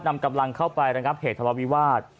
นำกำลังเข้าไประงับเหตุทะเลาวิวาส